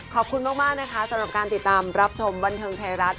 ขอบคุณมากนะคะสำหรับการติดตามรับชมบันเทิงไทยรัฐ